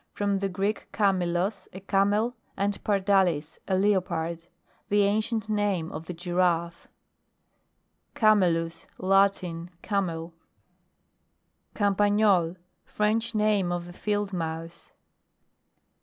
From the Greek, kamelos, a camel, and pardalis, a leopard. The ancient name of the Giraffe. CAMELUS. Latin. Camel. 140 MAMMALOGY: GLOSSARY. CAMPAGNOL. French name of the Fieldmouse.